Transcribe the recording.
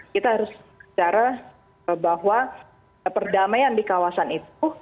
kita harus bicara bahwa perdamaian di kawasan itu